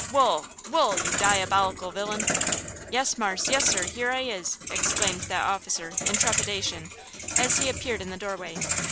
Wool! Wool! you diabolical villain!" "Yes, marse, yes, sir, here I is!" exclaimed that officer, in trepidation, as he appeared in the doorway.